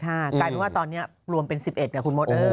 กลายเป็นว่าตอนนี้รวมเป็น๑๑คุณมด